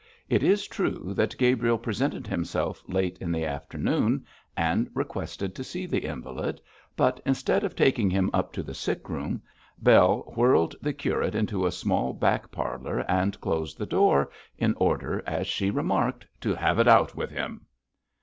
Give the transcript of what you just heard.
It is true that Gabriel presented himself late in the afternoon and requested to see the invalid, but instead of taking him up to the sickroom, Bell whirled the curate into a small back parlour and closed the door, in order, as she remarked, 'to have it out with him.'